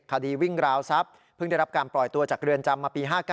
คดีวิ่งราวทรัพย์เพิ่งได้รับการปล่อยตัวจากเรือนจำมาปี๕๙